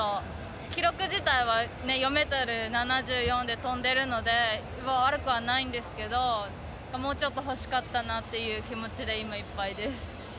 記録自体は４ｍ７４で跳べているので悪くはないんですけどもうちょっと欲しかったなという気持ちでいっぱいです。